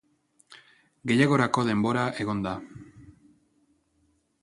Gehiagorako denbora egon da.